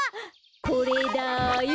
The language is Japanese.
これだよ！